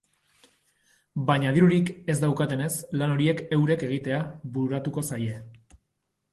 Baina dirurik ez daukatenez, lan horiek eurek egitea bururatuko zaie.